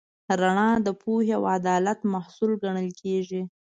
رڼا د پوهې او عدالت محصول ګڼل کېږي.